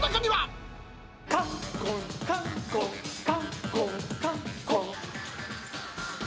かんこん、かんこん、かんこん。